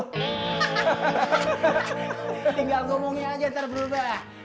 tinggal ngomongnya aja ntar berubah